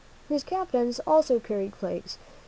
His captains also carried flags.